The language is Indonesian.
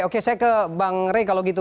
oke saya ke bang rey kalau gitu